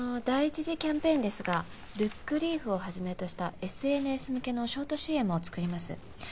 第一次キャンペーンですがルックリーフをはじめとしたＳＮＳ向けのショートＣＭを作ります。